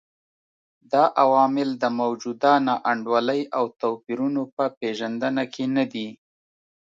دا عوامل د موجوده نا انډولۍ او توپیرونو په پېژندنه کې نه دي.